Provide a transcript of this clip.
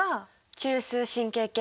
中枢神経系。